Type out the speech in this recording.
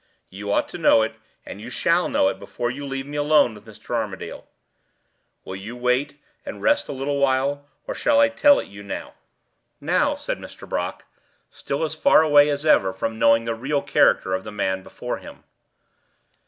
You ought to know it, and you shall know it, before you leave me alone with Mr. Armadale. Will you wait, and rest a little while, or shall I tell it you now?" "Now," said Mr. Brock, still as far away as ever from knowing the real character of the man before him.